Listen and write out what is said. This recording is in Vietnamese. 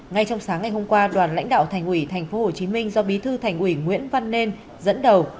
ngay trong sáng ngày hôm qua đoàn lãnh đạo thành ủy tp hcm do bí thư thành ủy nguyễn văn nên dẫn đầu